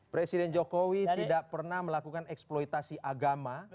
presiden jokowi tidak pernah melakukan eksploitasi agama